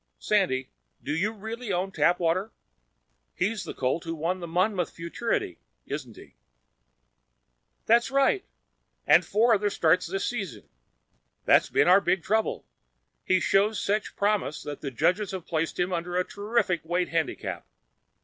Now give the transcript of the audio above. Sandy, do you really own Tapwater? He's the colt who won the Monmouth Futurity, isn't he?" "That's right. And four other starts this season. That's been our big trouble. He shows such promise that the judges have placed him under a terrific weight handicap.